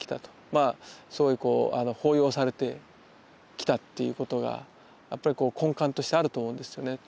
まあそういう抱擁されてきたっていうことがやっぱり根幹としてあると思うんですよね。